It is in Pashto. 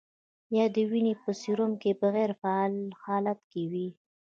یا د وینې په سیروم کې په غیر فعال حالت کې وي.